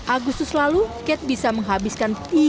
agustus lalu cat bisa menghabiskan